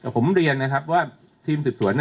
ผมเรียนว่าทีมศิษย์สวน